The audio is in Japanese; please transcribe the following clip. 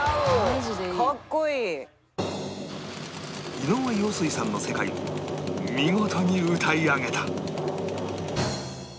井上陽水さんの世界を見事に歌い上げた